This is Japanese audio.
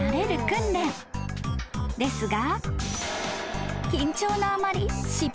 ［ですが］